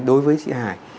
đối với chị hải